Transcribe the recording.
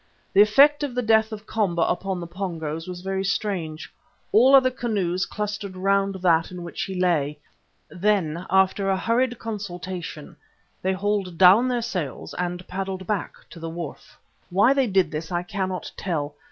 The effect of the death of Komba upon the Pongos was very strange. All the other canoes clustered round that in which he lay. Then, after a hurried consultation, they hauled down their sails and paddled back to the wharf. Why they did this I cannot tell.